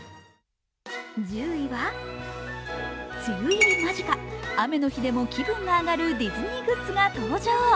１０位は梅雨入り間近雨の日でも気分が上がるディズニーグッズが登場。